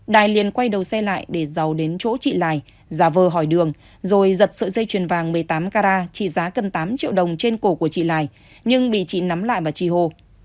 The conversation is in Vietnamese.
đài liền quay đầu xe lại để giàu đến chỗ chị lài giả vờ hỏi đường rồi giật sợi dây chuyền vàng một mươi tám carat trị giá gần tám triệu đồng trên cổ của chị lài nhưng bị chị nắm lại và trì hồ